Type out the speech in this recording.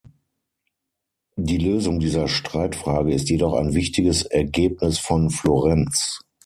Die Lösung dieser Streitfrage ist jedoch ein wichtiges Ergebnis von Florenz.